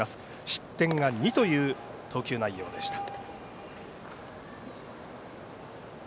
失点が２という投球内容でした。